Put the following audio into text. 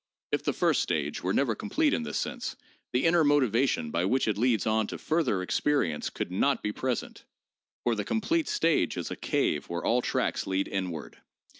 If the first stage were ever complete in this sense the inner motivation by which it leads on to further experience could not be present, for the com plete stage is a cave where all tracks lead inward.